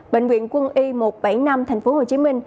bệnh viện quân y một trăm bảy mươi năm tp hcm